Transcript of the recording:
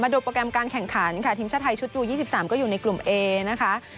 มาดูโปรแกรมการแข่งขันค่ะทีมชาวไทยชุดอยู่ยี่สิบสามก็อยู่ในกลุ่มเอนะคะ